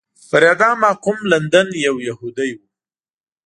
پر اعدام محکوم لندن یو یهودی و.